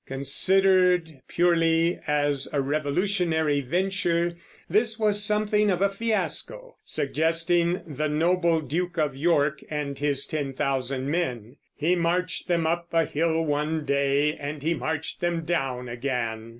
Considered purely as a revolutionary venture, this was something of a fiasco, suggesting the noble Duke of York and his ten thousand men, "he marched them up a hill, one day; and he marched them down again."